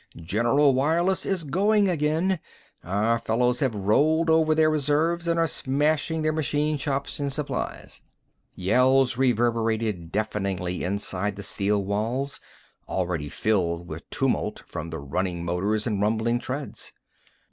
"General wireless is going again! Our fellows have rolled over their reserves and are smashing their machine shops and supplies!" Yells reverberated deafeningly inside the steel walls, already filled with tumult from the running motors and rumbling treads.